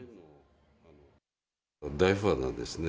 大ファンなんですね。